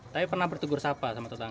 tapi pernah bertugur siapa sama tetangga